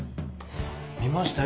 見ましたよ